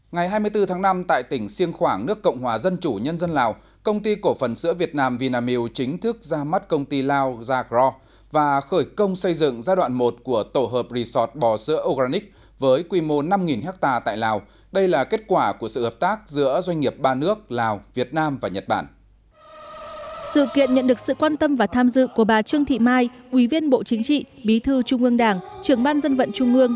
ngày hai mươi bốn tháng năm tại tỉnh siêng khoảng nước cộng hòa dân chủ nhân dân lào công ty cổ phần sữa việt nam vinamil chính thức ra mắt công ty lào zagro và khởi công xây dựng giai đoạn một của tổ hợp resort bò sữa organic với quy mô năm ha tại lào đây là kết quả của sự hợp tác giữa doanh nghiệp ba nước lào việt nam và nhật bản